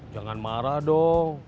jangan marah dong